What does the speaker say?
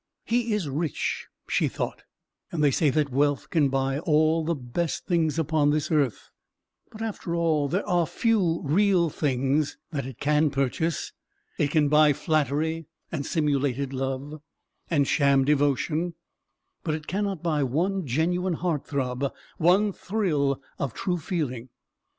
"He is rich," she thought, "and they say that wealth can buy all the best things upon this earth. But, after all, there are few real things that it can purchase. It can buy flattery, and simulated love, and sham devotion, but it cannot buy one genuine heart throb, one thrill of true feeling.